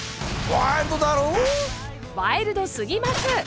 ワイルドすぎます！